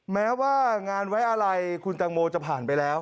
แม้ว่างานไว้อะไรคุณตังโมจะผ่านไปแล้ว